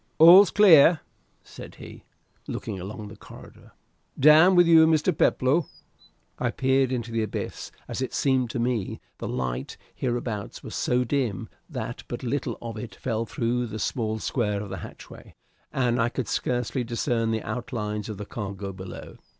"All's clear," said he, looking along the corridor. "Down with you, Mr. Peploe." I peered into the abyss, as it seemed to me; the light hereabouts was so dim that but little of it fell through the small square of hatchway, and I could scarcely discern the outlines of the cargo below.